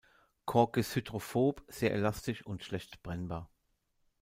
Kork ist hydrophob, sehr elastisch und schlecht brennbar.